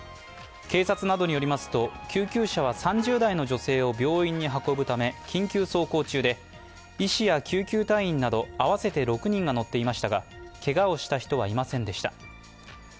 警察などによりますと、救急車は３０代の女性を病院に運ぶため緊急走行中で医師や救急隊員など合わせて６人が乗っていましたがけがをした人はいませんでした。